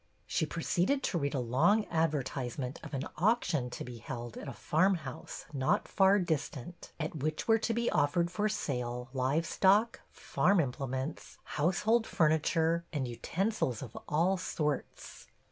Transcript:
She proceeded to read a long advertisement of an auction to be held at a farmhouse not far distant, at which were to be offered for sale live stock, farm implements, household furniture and utensils of all sorts.